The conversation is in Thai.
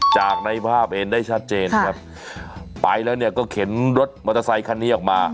จากในภาพเองได้ชัดเจนครับไปแล้วเนี่ยก็เข็นรถมอเตอร์ไซคันนี้ออกมา